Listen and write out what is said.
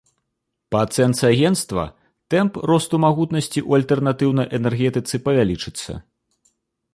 Па ацэнцы агенцтва, тэмп росту магутнасці ў альтэрнатыўнай энергетыцы павялічыцца.